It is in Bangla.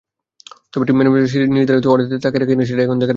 তবে টিম ম্যানেজমেন্ট সিরিজ নির্ধারণী ওয়ানডেতে তাঁকে রাখে কিনা, সেটাই এখন দেখার।